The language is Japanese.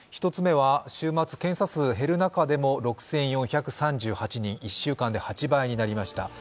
１つ目は週末、検査数減る中でも６４３８人、１週間で８倍になりました。